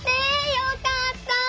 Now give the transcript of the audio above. よかった！